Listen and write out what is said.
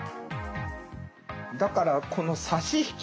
だからこの差し引き